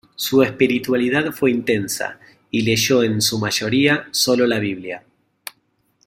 Su espiritualidad fue intensa y leyó en su mayoría, sólo la Biblia.